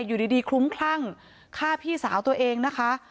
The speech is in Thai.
อยู่ดีคลุ้มคลั่งฆ่าพี่สาวตัวเองนะคะ